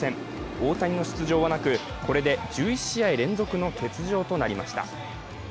大谷の出場はなく、これで１１試合連続の欠場となりました。